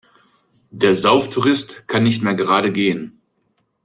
Der Sauftourist kann nicht mehr gerade gehen.